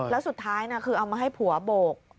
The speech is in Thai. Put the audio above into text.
แล้วสุดท้ายคือเอามาให้ผัวโบก